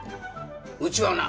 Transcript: うちはな